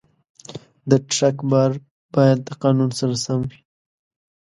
د ټرک بار باید د قانون سره سم وي.